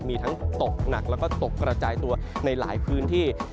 มีทั้งตกหนักแล้วก็ตกกระจายตัวในหลายพื้นที่